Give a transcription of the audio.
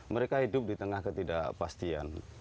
mereka hidup di tengah ketidakpastian